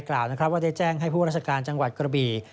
กล่าวนะครับว่าได้แจ้งให้ผู้ราชการจังหวัดกระบี่